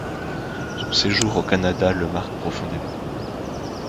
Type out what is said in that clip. Son séjour au Canada le marque profondément.